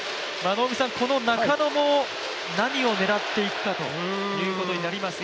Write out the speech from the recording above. この中野も、何を狙っていくかということになりますか。